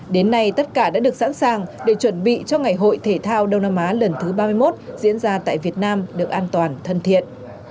đến nay tất cả đã được sẵn sàng để chuẩn bị cho ngày hội thể thao đông nam á lần thứ ba mươi một diễn ra tại việt nam được an toàn thân thiện